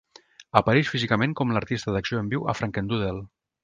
Apareix físicament com l'artista d'acció en viu a "Frankendoodle".